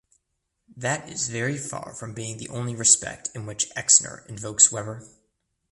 That is very far from being the only respect in which Exner invokes Weber.